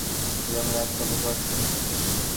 ছেলেমানুষ গায়ে এক কাপড় কতদিন টেকে।